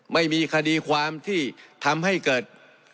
ไม่มีคดีความที่ทำให้เกิด